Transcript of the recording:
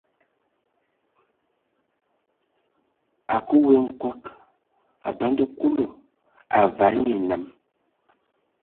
A kǝə we nkog, a banda Kulu, a vas nye enam.